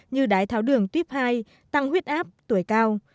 như đái tháo đường tuyếp hai tăng huyết áp tuổi cao